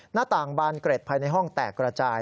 หน้าต่างบานเกร็ดภายในห้องแตกระจาย